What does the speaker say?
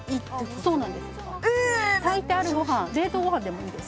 そうなんです